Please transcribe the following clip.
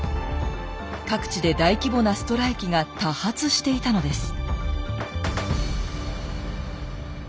各地で大規模なストライキが多発していたのです。